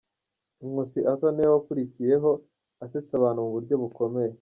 Nkusi Arthur ni we wakurikiyeho asetsa abantu mu buryo bukomeye.